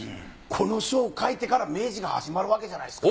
この書を書いてから明治が始まるわけじゃないですか。